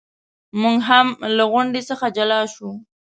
موږ هم له غونډې څخه جلا شو.